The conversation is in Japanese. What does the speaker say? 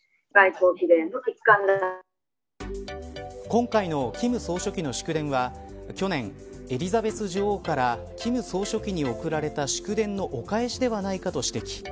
今回の金総書記の祝電は去年、エリザベス女王から金総書記に送られた祝電のお返しではないかと指摘。